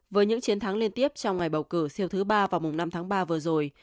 với những chiến thắng liên tiếp trong ngày bầu cử siêu thứ ba vào mùng năm tháng ba vừa rồi